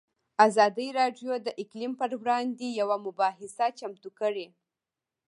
ازادي راډیو د اقلیم پر وړاندې یوه مباحثه چمتو کړې.